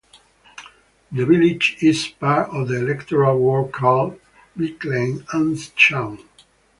The village is part of the electoral ward called "Bickleigh" and Shaugh.